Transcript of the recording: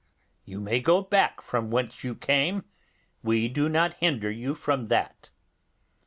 You may go back from whence you came; we do not hinder you from that.